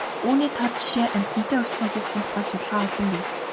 Үүний тод жишээ амьтантай өссөн хүүхдийн тухай судалгаа олон байна.